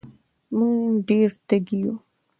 مونږ ډېر تږي وو